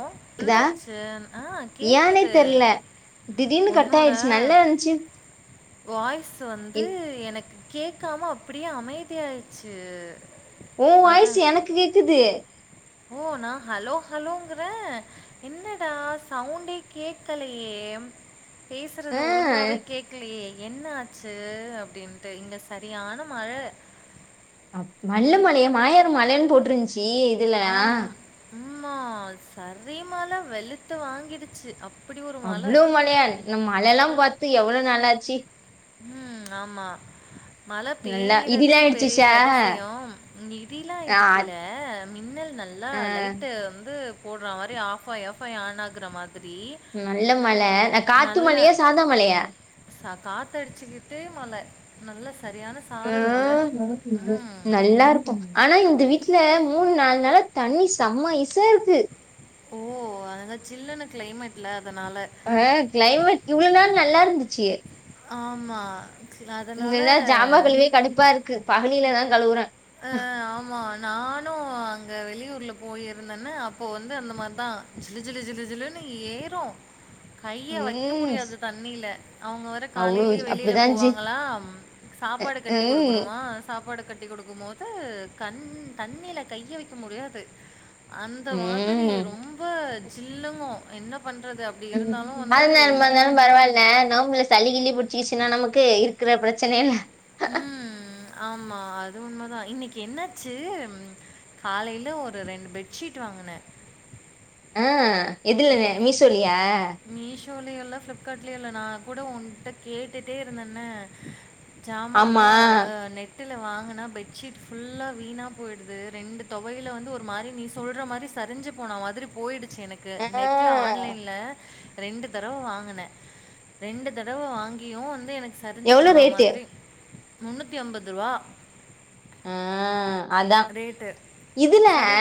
ஓ கேக்குதா என்னாச்சு ஆஹ் கேக்குது திடீனு உன்னோட கட்டாயிடுச்சு நல்லா இருன்ச்சு வாய்ஸ் வந்து எனக்கு கேக்காம அப்படியே அமைதியாயிச்சு உன் வாய்ஸு எனக்கு கேக்குது ஓ நா ஹலோ ஹலோங்குற என்னடா சவுண்டே கே்கலையே எம் ஆ, பேசுறது ஒழுங்காவே கேக்கலையே என்னாச்சு அப்டின்ட்டு இங்க சரியான மழ அ மல்லு மலைய மாயர் மழன்னு போட்ருன்ச்சி இதுல ஆம். ஆமா சரி மழ வெளுத்து வாங்கிடுச்சு ஒரு மழை. அவ்ளோ மழையா நம் மழ எல்லாம் பாத்து எவ்வளோ நாலாச்சி ம் ஆமா மழ நல்லா பேயறதே இதெல்லாம் பெரிய ஆயிடுச்சுச்சா அதிசயோம் இங்க இடி லா ஆ, இடிக்கல மின்னல் நல்லா ஆ, லைட்டு வந்து போடுற மாரி ஆஃப் ஆய் ஆஃப் ஆய் ஆன் ஆகுற மா நல்ல மழ அ காத்து மழயா சாதா மழயா காத்தடிச்சுக்கிட்டே மழ நல்ல ஸ் ம். நல்லாருக்கு ஆனா இந்த வீட் ட்ல மூணு நாலு நாளா தண்ணி சம்மா ஐசா இருக்கு ஓ அதங்க சில்லுன்னு க்ளைமேட்ல அஹ் கிளைமேட் இவ்வள நால் நல்லா இருந்துச்சு ஆமா இங்கல்லா ஜாமா அதனால கழுவியே கடுப்பா இருக்கு பஹலிலதா கழுவுற அஹ் ஆமா நானு அங்க வெளியூர்ல போயிருந்தன்னு அப்போ வந்து அந்த மாரிதா ஜிலு ஜிலு ஜிலு ஜிலுன்னு ஏறு கைய வக்க ம் முடியாது தண்ணில அவுங்க வேற அவ்ளோ காலைலே வெளில அப்டிதா இருந்துச்சு போவாங்களா சாப்பாடு கட்டி ம் குடுக்கணுமா சாப்பாடு கட்டி குடுக்கும்மோது கண் தண்ணீல கைய வக்க முடியாது அந்த மாதிரி ம் ரொம்ப ஜில்லுங்கு என்ன பண்றது? அப்படி ம் இருந்தாலும் வந்து அமா இருந்தாலும் பரவால்ல நோம்புல சளி கிளி புட் ச்சினா நமக்கு இருக்குற பிரச்சனைல ம் ஆமா அது உண்மதா இன்னிக்கு என்ன ஆச்சு ம் காலைல ஒரு ரெண்டு பெட்ஷீட் வாங்குனே அ ஏ மீஷோலியு இல்ல ஃபிளிப்கா ட்லியு இல்ல நா கூட உன்ட்ட கேட்டுட்டே இருந்தன்னே ஜாமாலா ஆமா அ நெ ட்டுல வாங்கனா பெட்ஷீட் ஃபுல்லா வீணா போயிடுது ரெண்டு தொவையில வந்து ஒரு மாரி நீ சொல்ற மாரி ரைஞ்சு போன மாதிரி போயிடுச்சு எனக்கு ஆ நெட்ல ஆன்லைன்ல ரெண்டு தடவ வாங்குனே ரெண்டு தடவ வாங்கியு வந்து எ சரிஞ்சு எவ்ளோ போனா ரேட்டு மாதிரி முன்னூத்தி அம்பதுருவா அ அதா இதுல சரி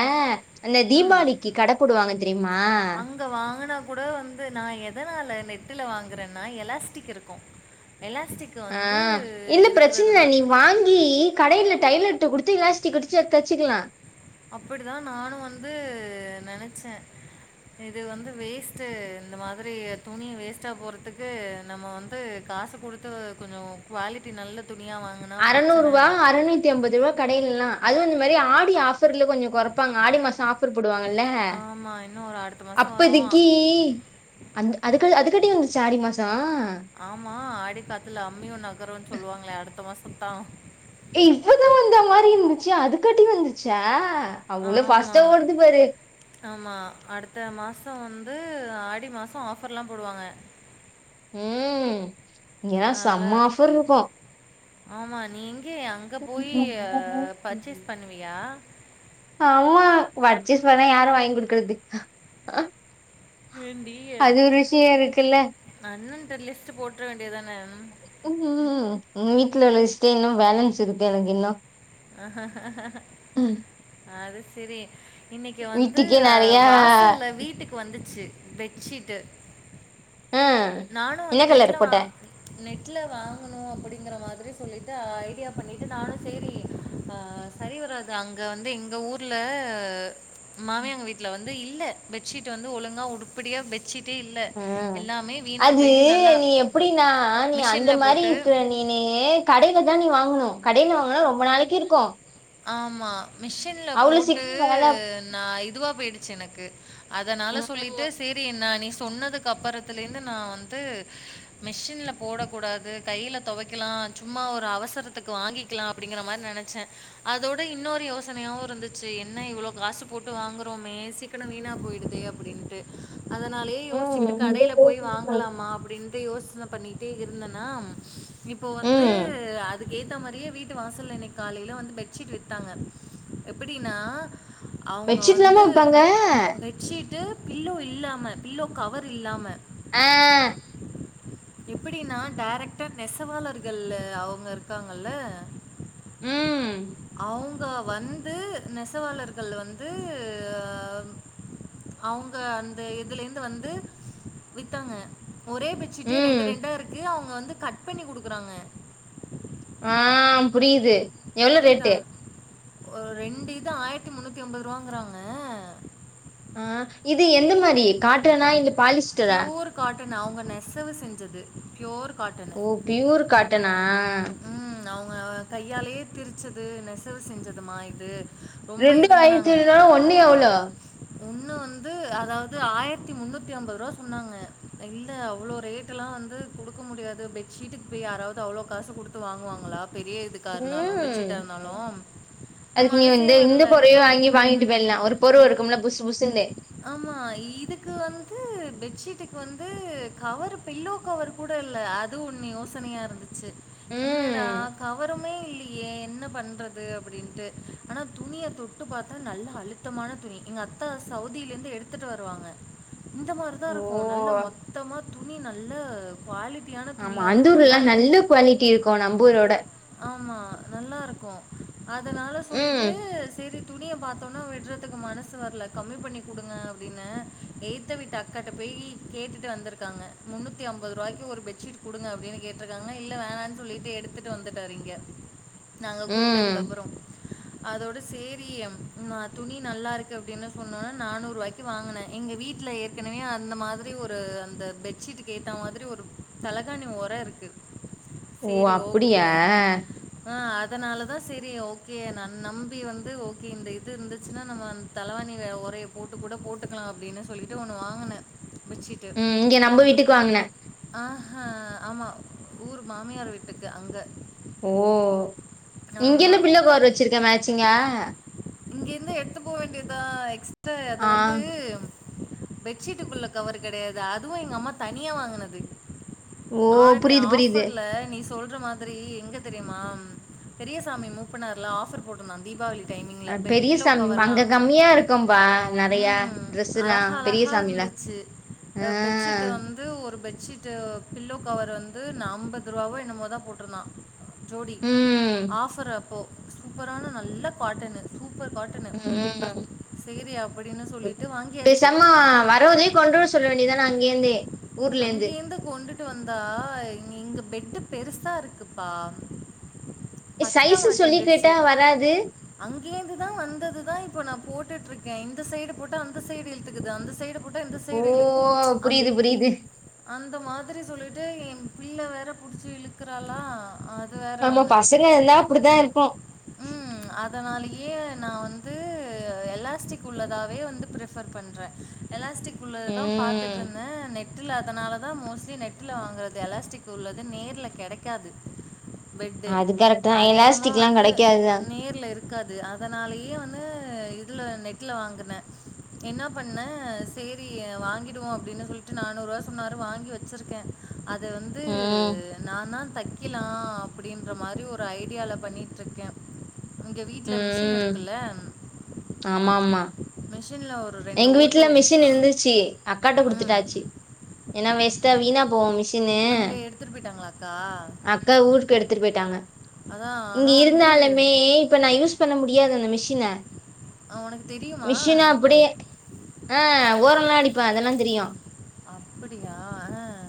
அந்த தீபாளிக்கி கட போடுவாங்க தெரிமா அங்க வாங்குனா கூட வந்து நா எதனால நெட்டுல வாங்குறன்னா எலாஸ்டிக் இருக்கு அ இந்த பிரச்சினில இருக்கிறதுனா நீ வாங்கி கடையில டைலர்ட்ட குடுத்து இல்ல ஸ் டி குடிச்சி அத் தெச்சுக்கிலா அப்பிடிதா நானு வந்து நெனச்சே இது வந்து வேஸ்ட்டு இந்த மாதிரி துணி வேஸ்ட்டா போறதுக்கு நம்ம வந்து க காச குடுத்து கொஞ்சோ குவாலிட்டி நல்ல துணியாக வாங்கினா பிரச்சனை அறநூறுவா அறநூத்தி அம்பதுருவா கடையிலெல்லா அதுவு மாரி ஆடி ஆஃபர்ல கொஞ்சோ கொறப்பாங்க ஆடி மாச ஆஃபர் போடுவா கள்ல ஆமாம் இன்னும் ஒரு அடுத்த மாதம் வரும் அப்பதிக்கி அந் அதுக்கு அது க்காட்டி வந்துர்ச்சா ஆடி மாசோ ஆமா ஆடி காத்துல அம்மியு நகருன் சொல்லுவாங்ளே அடுத்த மாசத்தா இப்பதா வந்தா மாரி இருந்துச்சி அதுக்காட்டி வந்துர்ச்சா ஆமா ஆமா அடுத்த மாசோ வந் து ஆடி மாசோ ஆஃபர்லா போடுவாங்க ம் இங்கியெல்லா நல்ல சம்ம ஆஃபர்ருக்கு ஆமா நீ எங்கே அங்க போயி அ பர்ச்சேஸ் பண்ணுவியா அம்மா வட்சேஸ் பண்ணா யாரு வாய்ங் குடுக்கறது ஏண்டி அது ஒரு விஷயம் இருக்குல்ல. அண்ணன்ட்ட லிஸ்ட்டு போட்ற வேண்டியதான ம் ம் ம் வீட்ல உள்ள லிஸ்டே இன்னு பேலன்ஸ் இருக்கு எனக்கு இன்னு அது செரி இன்னிக்கி வந்து வீட்டுக்கே அ நெறையா வாசல்ல வீட்டுக்கு வந்திச்சு பெட்ஷீட்டு ஆ நானு என்ன வந்து நெட்ல கலர் வா போட்ட நெ ட்ல வாங்கணு அப்படிங்கற மாதிரி சொல்லிட்டு அ ஐடியா பண்ணிட்டு நானு சேரி அ சரி வராது அங்க வந்து எங்க ஊர்ல மாமியாங்க வீட்ல வந்து இல்ல பெட்ஷீட் வந்து ஒழுங்கா உடுப்படியா பெட்ஷீட்டே இல்ல ம் எல்லாமே வீணா அது போய் நல்லா நீ எப்பிடின்னா நீ அந்த மிஷின்ல மாரி போட்டு இக்குற நீனே கடைல தா நீ வாங்கணு கடையில வாங்கனா ரொம்ப நாளைக்கி இருக்கு ஆமா மிஷின்ல அவ்ளோ போட்டு சீக்கிரோ வேல நா இதுவா போயிடுச்சு எனக்கு அதனால ம் சொல்லிட்டு சேரி என் நானே சொன்னதுக்கு அப்பறத்தில இந்து நா வந்து மெஷின்ல போடக்கூடாது கைல தொவக்கலா அ சும்மா ஒரு அவசரத்துக்கு வாங்கிக்கிலா அப்பிடிங்கற மார் நெனச்சே அதோட இன்னோரு யோசனையாவு இருந்துச்சி என்ன இவ்ளோ காசு போட்டு வாங்குறோமே சீக்கனோ வீணா போயிடுதே அப்படின்ட்டு அதனாலயே யோசிச்சிக்கிட்டு கடைல போய் வாங்கலாமா அப்டின் ட்டு யோசன பண்ணிட்டே இருந்தனாம் இப்போ வந்து ம் அது க்கேத்தா மாரியே வீட்டு வாசல்ல இன்னிக் காலைல வந்து பெட்ஷீட் வித்தாங்க எப்பிடினா அவுங்க பெட்ஷீட்லாமா வந்து விப்பாங்க பெட்ஷீட்டு பில்லோ இல்லாம பில்லோ கவர் இல்லாம ஆ எப்பிடினா டாரக்டா நெசவாளர்கள் அவுங்க இருக்காங்கல்ல ம் அவ்ங்க வந்து நெசவாளர்கள் வந்து ஆ அவ்ங்க அந்த இதுலந்து வந்து வித்தாங்க ஒரே பெச்சுட்டே ரெண்டு ம் ரெண்டா இருக்கு அவங்க வந்து கட் பண்ணி குடுக்குறாங்க ஆ புரிது எவ்ளோ புரியுதா ரேட்டு ஒரு ரெண்டு இது ஆய்த்தி முன்னூத்தி ஒம்பதுருவாங்கறாங்க ஆ இது எந்த மாரி காட்டனா இல்ல பாலிஸ்டரா பெண் அவுங்க நெசவு செஞ்சது பியோர் ஓ ப்யூர் காட்டனா அவுங்க கையாலயே திரிச்சது நெசவு செஞ்சதுமா இது ரொம்ப ரெண்டு ஆயிரத்தி ஏழுனா ஒன்னு எவ்ளோ ஒண்ணு வந்து அதாவ்து ஆய்ர்த்தி முன்னூத்தி ஒம்பதுரூவா சொன்னாங்க இல்ல அவ்ளோ ரேட்டுலா வந்து குடுக்க முடியாது பெட்ஷீட்டுக் போய் யாராவ்து அவ்ளோ காசு குடுத்து வாங்குவாங்ளா பெரிய இதுக்காருந்தாலும் பெட் ம் பெச்சிட்டாருந்தாலும் அதுக்கு நீ வந்து இந்த பொறையு வாங்கி வாங்கிட்டு போய்ல்லா ஒரு போர்வ இருக்கும்ல புஸ்சு புசுனு ஆமா இதுக்கு வந் ஹ்ம் பெட்ஷீட்டுக் வந்து கவர் பில்லோ கவர் கூட இல்ல அது ஒன்னு யோசனையாருந்துச்சு என்னடா ம் கவருமே இல்லி யே என்ன பண்றது அப்டின்டு ஆனா துணிய தொட்டு பாத்தா நல்ல அழுத்தமான துணி இங்க த்தா சவுதிலந்து எடுத்துட்டு வருவாங்க இந்த ஓ மாரிதாருக் கும் நல்ல மொத்தமா துணி நல்ல குவாலிட் ஆமா அந்தூர்லா நல்ல குவாலிட்டி இருக்கும் நம்பூரோட நல்லாருக்கும் அதனால ம் சொல்லிட்டு சேரி துணிய பாத்தோன்ன விட்றதுக்கு மனசு வர்ல கம்மி பண்ணி குடுங்க அப்டின்ன ஏத்தவிட்டு அக்காட்ட போய் போயி கேட்டுட்டு வந்துருக்காங்க முன்னூத்தி அம்பது ரூவாய்க்கு ஒரு பெட்ஷீட் குடுங்க அப்டின் கேட்ருக்காங்க இல்ல வேணான் சொல் சொல்லிட்டு எடுத்துட்டு வந்துட்டாரு இங்க நாங்க ம் கூப்டதுக்கு அப்றோ அதோட சேரி ம் துணி நல்லாருக்கு அப்டினு சொன்னோன நானூருவாய்க்கு வாங்கன எங்க வீட்ல ஏற்கனவே அந்த மாதிரி ஒரு அந்த பெட்ஷீட்டுக்கு ஏத்த மாதிரி ஒரு தலகாணி ஒர இருக்கு ஓ அப்பிடியா அ அதனாலதா சேரி ஓகே ந நம்பி வந்து ஓகே இந்த இது இருந்துச்சுனா நம்ம தளவான் துணி வேற ஒரைய போட்டு கூட போட்டுகலா அப்டினு சொல்லிட்டு ஒன்னு வாங்கன பெச்சிட்டு ம் இங்க நம்ப வீட்டுக்கு வாங்குனே ஆ ஆ ஆமா ஊர் மாமியார் வீட்டுக்கு அங்க ஓ இங்கியுந்தா பில்லோ கவர் வெச்சுருக்க மேச்சிங்கா இங்கிருந்து எத்து போ வேண்டிதா எக்ஸ்ட்ரா அத ஆ வந்து பெட்ஷீட்டுக்குள்ள கவரு கிடையாது அதுவு எங்க அம்மா தனியா வாங்கனது ஓ ஆடி புரியுது புரியுது ஆஃபர்ல நீ சொல்ற மாதிரி எங்க தெரியுமா பெரியசாமி மூப்ப நார்ல ஆஃபர் போட்ருந்தா தீபாவளி டைமிங்ல. அ பெ பெரிய பில்லோ சாமி கவர்லாம். அங்க கம்மியா இருக்கும்பா நெறையா ட்ரெஸுலா பெரிய சாமில ச்சு பெட்ஷீட்டு வந்து ஒரு பெட் ஷீட்டு பில்லோ கவர் வந்து ந அம்பதுரூவாவோ என்னமோதா போட்ருந்தா ஜோடி ம் ஆஃபர் அப்போ சூப்பரான நல்ல காட்டனு சூப்பர் காட்டனு சரி அப்படின்னு சொல்லிட்டு வாங்கியாச்சு. பேஸ்சம்மா வரமொதே கொண்டுர சொல்ல வேண்டியதான அங்கந்தே அங்கேந்து கொண்டுட்டு வந்தா இங் இங்க பெட்டு பெருசா இருக்குப்பா பத்த சைஸ் சொல்லி மாட்டண்டுடுச்சு கேட்டா வராது அங்கேந்துதா வந்ததுதா இப்ப நா போட் ட்டுட்ருக்கே இந்த சைடு போட்டா அந்த சைடு இழுத்துக்குது அந்த சைடு போட்டா இந்த ஓ சைடு இழுக் அந் புரியுது புரியுது அந்த மாதிரி சொல்லிட்டு என் பிள்ள வேற புடிச்சி இழுக்கறாளா அ நம்ம பசங்க இந்தா அப்டிதா இருப்போ அதனாலயே நா வந்து எலாஸ்டிக் உள்ளதாவே வந்து பிரிஃபர் பண்ற எலாஸ்டிக் குள்ளதா ம் பாத்துட்ருந்த நெ ட்ல அதனாலதா மோஸ்ட்லி நெட்ல வாங்கறது எலாஸ்டிக் உள்ளது நேர்ல கெடைக்காது பெட்டு அது கரெக்ட் தான் அதிகமா எலாஸ்டிக்லாம் வந்து கிடைக்காதுதான் நேர்ல இருக்காது அதனாலயே வந்து நெட்ல வாங்குன என்ன பண்ண செரி வாங்கிடுவோ அப்டின்னு சொல் ட்டு நானூ ரூவா சொன்னரு வாங்கி வெச்சிருக்கேன் அத வந்து ம் நான தெக் வெக்கிலா அப்டின்ற மாரி ஒரு ஐடியால பண்ணிட்டு இருக்கே இங்க வீட்ல மெஷின் ம் இருக்கல்ல ஆமா ஆமா மிஷினில் ஒரு ரெண்டு எங்க ஓட்டு வீட்ல மெஷின் இருந்துச்சு அக்காட்ட ம் குடுத்துட்டாச்சு ஏனா வேஸ்டா வீணா போவு மெஷி னு அங்கே எடுத்துகிட்டு போயிட்டாங்களாக்கா அக்கா வூட்டுக்கு எடுத்துட்டு போயிட்டாங்க அதான் இங்க ஆனால் வந்து இருந்தாலுமே இப்ப நா யூஸ் பண்ண முடியாது அந்த மெஷின ஆ உனக்கு தெரியுமா ஆ ஓரொல்லா அடிப்பேன் அதெல்லா தெரியு அப்படியா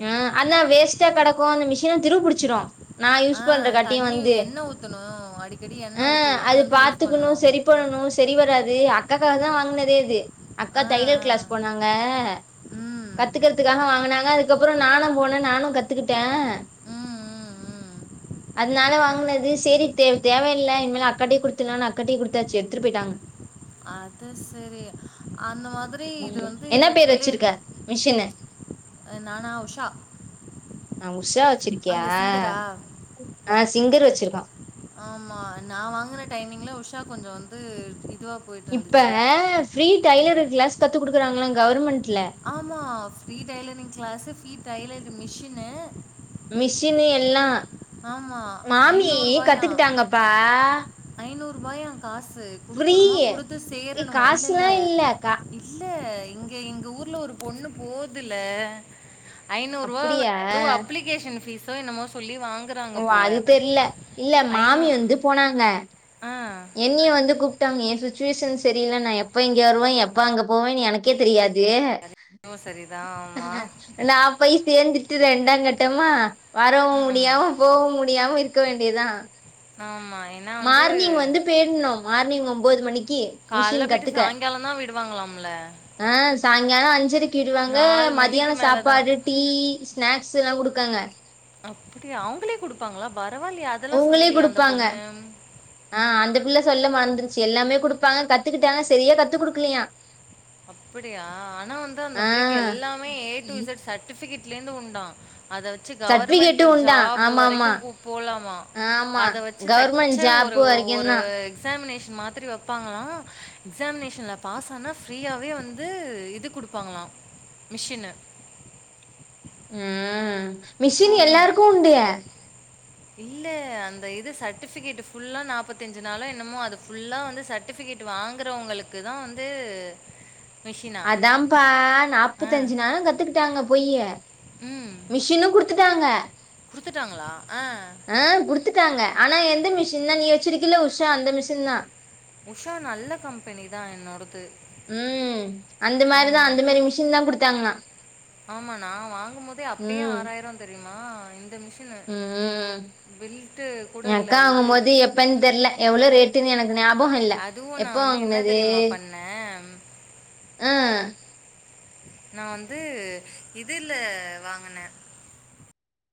ஆ ஆனா வேஸ்ட்டா கெடக்கு அந்த மெஷினா துருபுடிச்சிரு நா ஆ யூஸ் பண்ற கட்டியு தண்ணி வந்து எண்ணெய் ஊற்றணும் அடிக்கடி எண்ணெய் அ ஊற்றி ஊற்றி அது வந்து யூஸ் பாத்துக்கணு பண்ணணும் சரி பண்ணணு சரி வராது அக்காக்காகதா வாங்கினது தேது அக்கா ஆ தைலர் கிளாஸ் போனாங்க ஆ ம் கத்துக்கறதுக்காக வாங்கினாங்க அது நானு போன நானு கத்துக்கிட்டே ம், ம், ம். அதனால வாங்கினது செரி தே தேவயில்ல இனிமேல் அக்காட்டயே குடுத்துடலான்னு அக்காட்டயே குடுத்தாச்சு எடுத்துட்டு போயிட்டாங்க அது செரி அந்த மாதிரி இது வந்து புள்ளய ன்ன நானா உஷா நா உஷா வெச்சிருக்கியா அங்க சிங்கரா? ஆ சிங்கர் வெச்சிருக்கோ ஆமா நா வாங்குன டைமிங்ல உஷா கொஞ்சோ வந்து இதுவா இப்ப போயிட்டுருந்துச்சு. ஃப்ரீ டைலர் கிளாஸ் கத்து குடுக்கறாங்ளா கவர்மெண் ஆமா free tailoring class free tailoring machine machine எல்லா ஆமா. ரூ. மாமி கத்துக்கிட்டாங்கப்பா துபாயான் காசு ஃப்ரீ குடுக்கணுமா குடுத்து ஏய் சேரணுமா இல்லல்ல காசுலா இல்ல கா இல்ல எங்க எங்க ஊர்ல ஒரு பொண்ணு போதுல்ல ஐநூறு ரூவா அப்படியா எதோ அப்ளிகேஷன் ஃபீஸோ என்னமோ சொல்லி வாங் ஓ அது தெர்ல இல்ல ஐநூ மாமி வந்து போனாங்க ஆ. என்னியு வந்து கூப்பிட்டாங்க என் சுச்சுவேஷன் செரியில்ல நா எப்ப இங்க வருவே எப்ப அங்க போவேன்னு எனக்கே தெரியாது ஓ செரி நான் போய் சேர்ந்துட்டு ரெண்டாங் கட்டமா வரவும் ம். முடியாம போவும் முடியாம இருக்க வேண்டியதுதா ஆமா. ஏன்னா வந்து மார்னிங் வந்து பேய்டணு மார்னிங் ஒன்பது மணிக்கு மெஷின் கத்துக்க எங்கலதான் விடுவாங்களலாம்ல்ல ஆ சாய்ங்காலோ அஞ் சரைக்கு விடுவாங்க மணிக்கு மதியானோ மேல தான். சாப்பாடு, டீ, ஸ்நாக்ஸ் எல்லாங் குடுக்காங்க அப்டியா அவுங்களே குடுப்பாங்ளா பா அவுங்ளே குடுப்பாங்க ஆ அந்த பிள்ள சொல்ல மறந்துருச்சு எல்லாமே குடு ப்பாங்க கத்துக்கிட்டாங்க சரியா கத்து குடுக்கலயா அப்படியா ஆனா வந்து அந்த பிள்ளைக்கு எல்லாமே ஏ டு இசட் சட்டிஃபிகேட் லேந்து உண்டா அத வெச்சு கவருமெண்டு சர்டிபிகேட்டும் உண்டா? ஜாபு வரைக்கு ஆமாமா. பு போலாமா ஆமா. ஆமா அத வெச்சு தக் கவர்மெண்ட் தச்ச ஜாப் ஒரு ஒரு வரைக்கும்தான். எக்ஸாமினேஷன் மாத்திரி வெப்பாங்களா எக்ஸாமினேஷன்ல பாஸ் ஆனா ஃப்ரீயாவே வந்து இது குடுப்பாங்களா மிஷினு ம் மிஷின் ஆமா. எல்லாருக்கு உண்டு இல்ல அந்த இது சட்டிஃபிகேட்டு ஃபுல்லா நாப்பத்தஞ்சு நாளு என்னமோ அது ஃபுல்லா வந்து சட்டிஃபி கேட்டு வாங்குறவங்களுக்குதா வந்து மிஷினா? அதான்ப்பா ஆ. நாப்பத்தஞ்சு நாளு கத்துக்கிட்டாங்க போயி ம். மிஷின்னு குடுத்துட்டாங்க குடுத்துட்டாங்களா? ஆ. ஆ குடுத்துட்டாங்க ஆனா எ ந்த மிஷின்னா நீ வச்சிருக்கில உஷா அந்த மிஷின் தா உஷா நல்ல கம்பெனி தா என்னோடது ம் அந்த மாரிதா ஆமா. அந்த மாரி மிஷின் தா குடுத்தாங்களா ஆமா நா வாங்கும் போதே அப்பயே ஆறாயிரோ அந்த ரே ம் ம் பெல்ட்டு கூட எ இல்ல. அக்கா இது வாங்கும்போது எப்பன் தெர்ல எவ்வளோ ரேட்டுன் எனக் அதுவு நா வந்து என்ன தெரியுமா பண்ண ஆ நா வந்து இதுல வாங்கனே